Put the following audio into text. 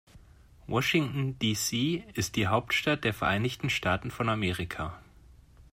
Washington, D.C. ist die Hauptstadt der Vereinigten Staaten von Amerika.